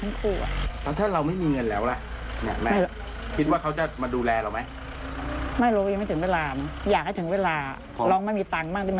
เงียบแม่ขอเงินหน่อยอ่ะ